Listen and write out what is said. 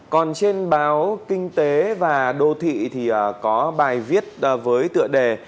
còn trên báo kinh tế và đô thị thì có bài viết với tựa đề